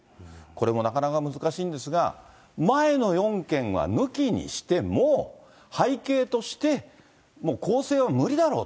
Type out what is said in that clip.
これもなかなか難しいんですが、前の４件は抜きにしても、背景として、そうですね。